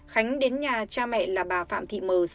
khánh đến nhà cha mẹ là bà phạm thị mờ